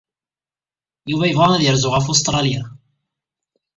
Yuba yebɣa ad yerzu ɣef Ustṛalya.